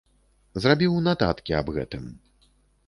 Зрабіў нататкі аб гэтым.